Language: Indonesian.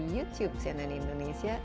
youtube senan indonesia